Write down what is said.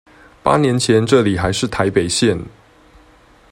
八年前這裡還是臺北縣